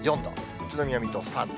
宇都宮、水戸３度。